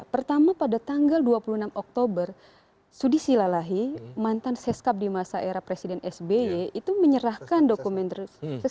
pertama pada tanggal dua puluh enam oktober sudi silalahi mantan seskap di masa era presiden sby itu menyerahkan dokumen tersebut